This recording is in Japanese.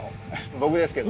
僕ですけど。